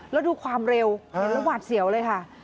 แล้วดูความเร็วเห็นแล้วหวาดเสียวเลยค่ะ